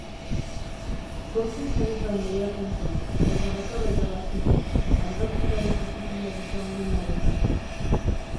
Zortzi saritan lehiatzen zen, eta bakarra irabazi du, argazkilaritza zuzendaritza onenarena.